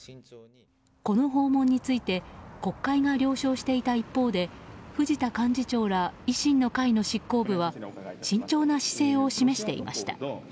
この訪問について国会が了承していた一方で藤田幹事長ら維新の会執行部は慎重な姿勢を示していました。